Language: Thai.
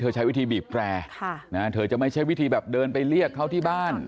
ใช้วิธีบีบแตรเธอจะไม่ใช่วิธีแบบเดินไปเรียกเขาที่บ้าน